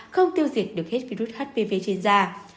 không tiêu diệt được hết virus hpv trên da